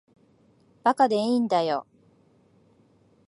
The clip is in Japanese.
馬鹿でいいんだよ。